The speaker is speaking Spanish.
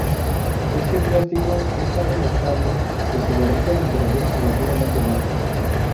Este plástico es tan inestable que se derrite a temperaturas relativamente bajas.